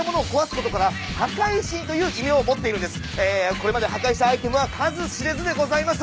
これまで破壊したアイテムは数知れずでございます。